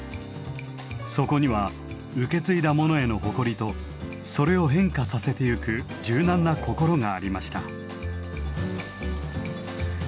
そこには受け継いだものへの誇りとそれを変化させてゆく柔軟な心がありました。